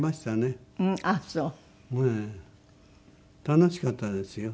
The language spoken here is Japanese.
楽しかったですよ。